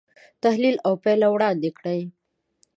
تحلیل او پایله وړاندې کړي.